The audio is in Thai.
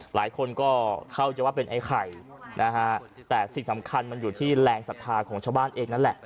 หลายคนก็เข้าใจว่าเป็นไอ้ไข่นะฮะแต่สิ่งสำคัญมันอยู่ที่แรงศรัทธาของชาวบ้านเองนั่นแหละ